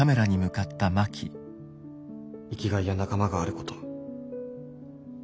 生きがいや仲間があること。